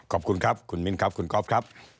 ขอบคุณครับคุณมิ้นครับคุณก๊อฟครับ